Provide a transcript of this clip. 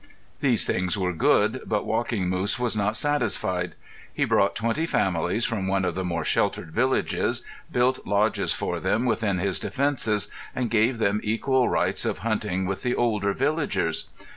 These things were good, but Walking Moose was not satisfied. He brought twenty families from one of the more sheltered villages, built lodges for them within his defences, and gave them equal rights of hunting with the older villagers.